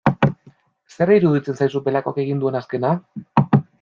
Zer iruditzen zaizu Belakok egin duen azkena?